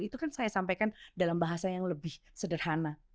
itu kan saya sampaikan dalam bahasa yang lebih sederhana